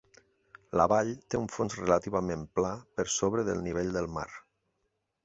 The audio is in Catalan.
La vall té un fons relativament pla per sobre del nivell del mar.